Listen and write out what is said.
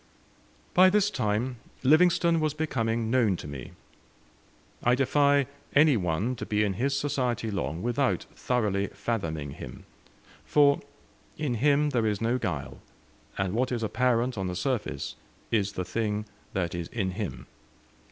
By this time Livingstone was becoming known to me. I defy any one to be in his society long without thoroughly fathoming him, for in him there is no guile, and what is apparent on the surface is the thing that is in him.